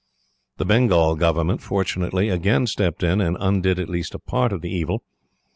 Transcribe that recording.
"The Bengal government, fortunately, again stepped in and undid at least a part of the evil.